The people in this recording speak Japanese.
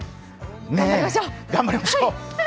頑張りましょう。